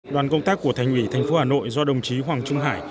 đoàn công tác của thành ủy thành phố hà nội do đồng chí hoàng trung hải